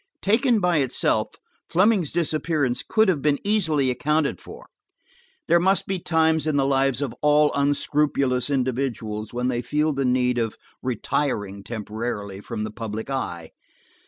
Taken by itself, Fleming's disappearance could have been easily accounted for. There must be times in the lives of all unscrupulous individuals when they feel the need of retiring temporarily from the public eye.